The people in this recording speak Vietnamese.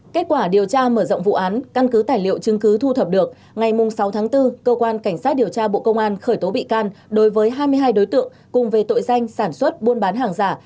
kết quả điều tra mở rộng vụ án căn cứ tài liệu chứng cứ thu thập được ngày sáu tháng bốn cơ quan cảnh sát điều tra bộ công an khởi tố bị can đối với hai mươi hai đối tượng cùng về tội danh sản xuất buôn bán hàng giả